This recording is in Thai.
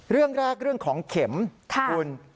เรื่องแรกเรื่องของเข็มคุณ